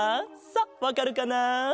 さあわかるかな？